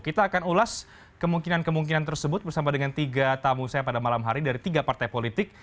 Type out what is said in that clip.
kita akan ulas kemungkinan kemungkinan tersebut bersama dengan tiga tamu saya pada malam hari dari tiga partai politik